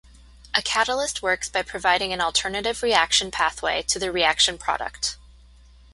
A catalyst works by providing an alternative reaction pathway to the reaction product.